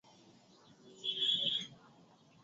আর সবাইকে অশ্লীল গানে নাচতে বলেছো।